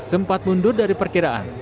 sempat mundur dari perkiraan